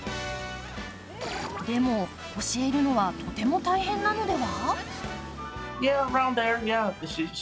でも、教えるのはとても大変なのでは？